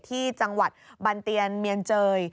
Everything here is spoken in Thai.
ที่จังหวัดบันเตียนเมียนเจย